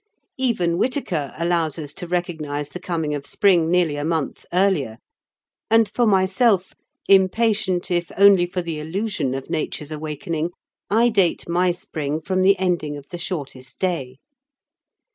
Even Whitaker allows us to recognise the coming of spring nearly a month earlier; and for myself, impatient if only for the illusion of Nature's awakening, I date my spring from the ending of the shortest day.